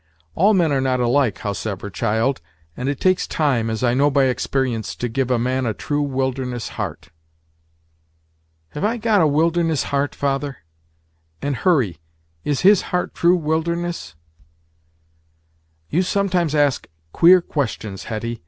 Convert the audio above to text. All men are not alike, howsever, child; and it takes time, as I know by experience, to give a man a true wilderness heart." "Have I got a wilderness heart, father and Hurry, is his heart true wilderness?" "You sometimes ask queer questions, Hetty!